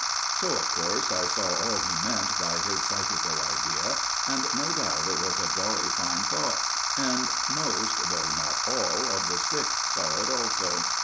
So, of course, I saw all he meant by his psychical idea, and no doubt it was a jolly fine thought; and most, though not all, of the Sixth saw it also.